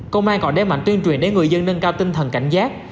công an còn để mạnh tuyên truyền để người dân nâng cao tinh thần cảnh giác